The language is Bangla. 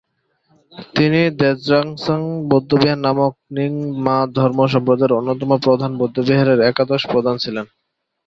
তিনি র্দ্জোগ্স-ছেন বৌদ্ধবিহার নামক র্ন্যিং-মা ধর্মসম্প্রদায়ের অন্যতম প্রধান বৌদ্ধবিহারের একাদশ প্রধান ছিলেন।